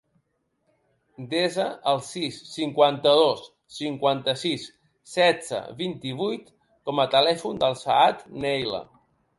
Desa el sis, cinquanta-dos, cinquanta-sis, setze, vint-i-vuit com a telèfon del Saad Neila.